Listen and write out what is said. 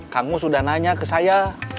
kamu sudah nanya ke saya